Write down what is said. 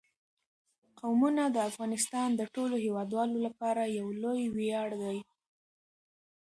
قومونه د افغانستان د ټولو هیوادوالو لپاره یو لوی ویاړ دی.